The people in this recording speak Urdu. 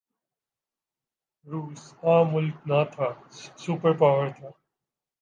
روس عام ملک نہ تھا، سپر پاور تھا۔